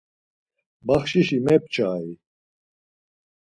Baxşişi meçarei?